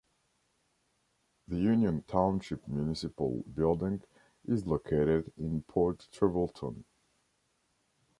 The Union Township Municipal Building is located in Port Trevorton.